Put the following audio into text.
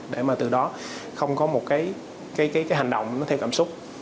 để từ đó không có một hành động theo cảm xúc